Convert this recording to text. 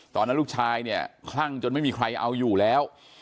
ตอนนั้นลูกชายเนี่ยคลั่งจนไม่มีใครเอาอยู่แล้ว